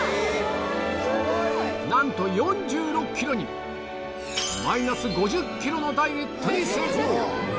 なんと４６ｋｇにマイナス５０ｋｇのダイエットに成功